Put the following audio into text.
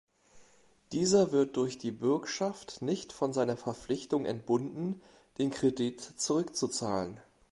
Dieser wird durch die Bürgschaft nicht von seiner Verpflichtung entbunden, den Kredit zurückzuzahlen.